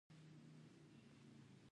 هغوی کولای شول، خو زړه یې نه کاوه.